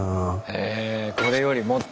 へこれよりもっと？